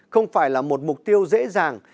không phải là một mục tiêu dễ dàng